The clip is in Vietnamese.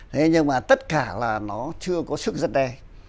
thế nhưng mà tất cả là nó chưa có sức dân đe